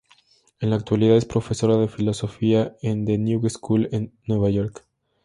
En la actualidad es profesora de filosofía en The New School en Nueva York.